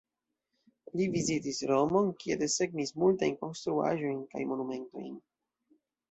Li vizitis Romon, kie desegnis multajn konstruaĵojn kaj monumentojn.